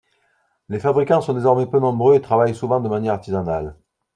Les fabricants sont désormais peu nombreux et travaillent souvent de manière artisanale.